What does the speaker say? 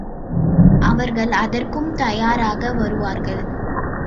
அவர்கள் அதற்கும் தயாராக வருவார்கள்.